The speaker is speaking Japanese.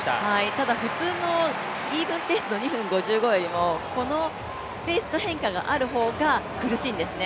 ただ、普通のイーブンペースの２分５５よりもこのペース変化がある方が苦しいんですね。